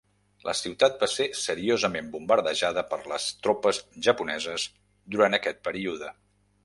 La ciutat va ser seriosament bombardejada per les tropes japoneses durant aquest període.